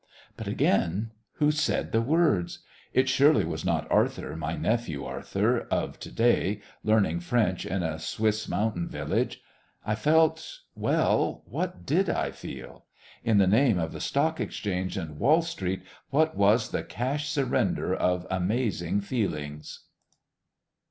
But again who said the words? It surely was not Arthur, my nephew Arthur, of To day, learning French in a Swiss mountain village! I felt well, what did I feel? In the name of the Stock Exchange and Wall Street, what was the cash surrender of amazing feelings?